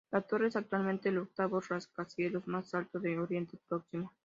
La torre es actualmente el octavo rascacielos más alto de Oriente Próximo.